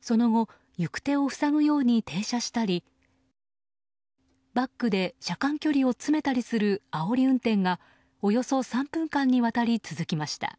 その後、行く手を塞ぐように停車したりバックで車間距離を詰めたりするあおり運転がおよそ３分間にわたり続きました。